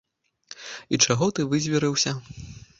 І чаго ты вызверыўся?